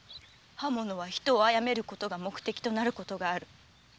刃物は人を殺めることが目的となることがある。